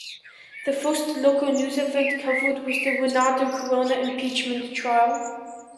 The first local news event covered was the Renato Corona impeachment trial.